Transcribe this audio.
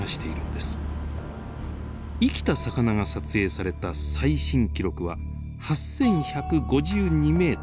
生きた魚が撮影された最深記録は８，１５２ｍ。